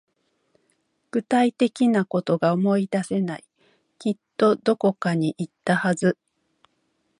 具体的なことが思い出せない。きっとどこかに行ったはず。